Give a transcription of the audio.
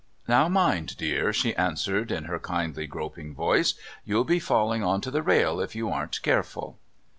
"Now mind, dear," she answered in her kindly, groping voice. "You'll be falling on to the rail if you aren't careful."